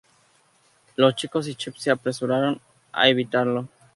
Los chicos y Chef se apresuran a evitarlo.